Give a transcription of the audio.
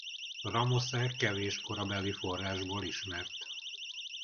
Ramosze kevés korabeli forrásból ismert.